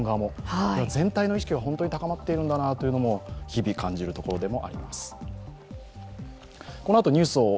全体の意識は本当に高まっているんだなというところも日々感じているところです。